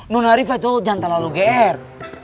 nona rifat itu jantan lalu gr